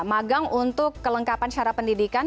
magang untuk kelengkapan syarat pendidikan